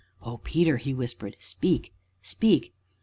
"Oh, Peter!" he whispered, "speak! speak!"